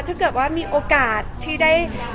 ถ้าเกิดว่ามีโอกาสที่ได้กลับไปอีก